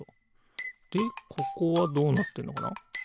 でここはどうなってるのかな？